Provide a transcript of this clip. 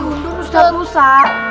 gak bisa diundung ustadz